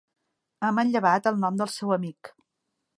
Ha manllevat el nom del seu amic.